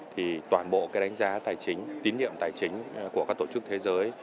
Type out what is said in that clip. thì toàn bộ cái đánh giá tài chính tín nhiệm tài chính của các tổ chức thế giới